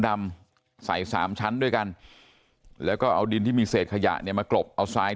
ดำใส่๓ชั้นด้วยกันแล้วก็เอาดินที่มีเศษขยะเนี่ยมากรบเอาทราย